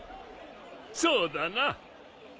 そうだな。